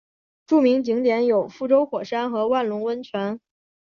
著名景点有覆舟火山和万隆温泉。